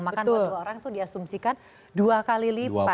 makan buat dua orang itu diasumsikan dua kali lipat